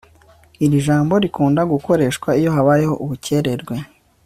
iri jambo rikunda gukoreshwa iyo habayeho ubukererwe